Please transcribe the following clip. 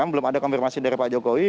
belum ada konfirmasi dari pak jokowi